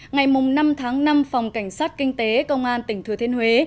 ngày năm tháng năm phòng cảnh sát kinh tế công an tỉnh thừa thiên huế